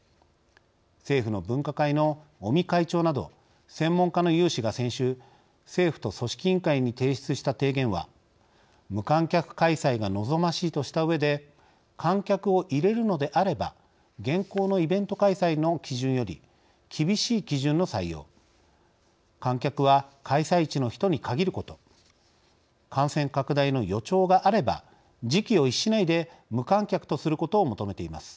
政府の分科会の尾身会長など専門家の有志が先週政府と組織委員会に提出した提言は無観客開催が望ましいとしたうえで観客を入れるのであれば現行のイベント開催の基準より厳しい基準の採用観客は開催地の人に限ること感染拡大の予兆があれば時機を逸しないで無観客とすることを求めています。